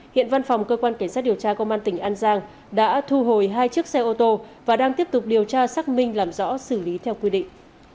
hiện văn phòng cơ quan cảnh sát điều tra công an tỉnh an giang đã thu hồi hai chiếc xe ô tô và đang tiếp tục điều tra xác minh làm rõ xử lý theo quy định